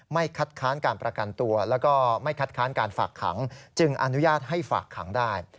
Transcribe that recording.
คัดค้านการประกันตัวแล้วก็ไม่คัดค้านการฝากขังจึงอนุญาตให้ฝากขังได้